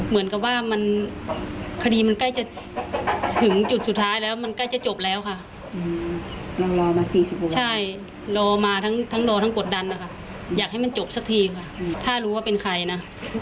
แม่ของน้องสมผู้บอกว่าโอ้โหคนในครอบครัวห่างเหินกันไปหมดทุกคนเลยอะค่ะ